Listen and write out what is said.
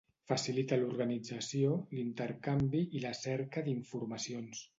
Facilita l'organització, l’intercanvi i la cerca d’informacions.